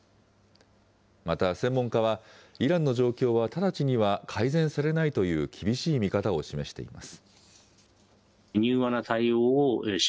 また、専門家は、イランの状況は直ちには改善されないという厳しい見方を示しています。